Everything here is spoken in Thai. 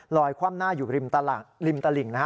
ลอยคว่ำหน้าอยู่ริมตระหล่างริมตระหลิงนะฮะ